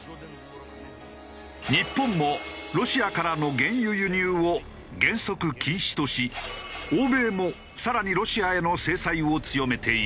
日本もロシアからの原油輸入を原則禁止とし欧米も更にロシアへの制裁を強めている。